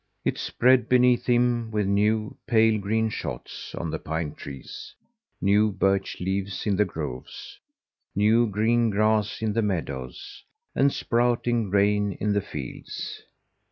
It spread beneath him with new, pale green shoots on the pine trees, new birch leaves in the groves, new green grass in the meadows, and sprouting grain in the fields.